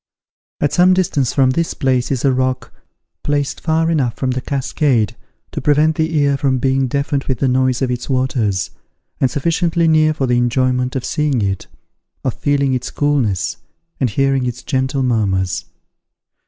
At some distance from this place is a rock, placed far enough from the cascade to prevent the ear from being deafened with the noise of its waters, and sufficiently near for the enjoyment of seeing it, of feeling its coolness, and hearing its gentle murmurs.